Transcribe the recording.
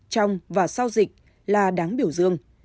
trong và sau dịch là đáng biểu dương